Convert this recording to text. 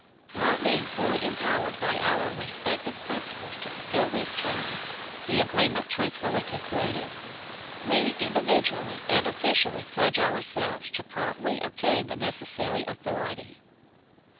"Not being fully empowered by our respective principals to fulfil these terms," the agreement truthfully concluded, "we individually and officially pledge ourselves to promptly obtain the necessary authority."